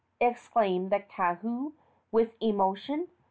exclaimed the kahu, with emotion.